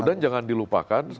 dan jangan dilupakan